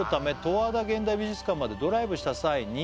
「十和田現代美術館までドライブした際に」